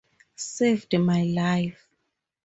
Saved My Life.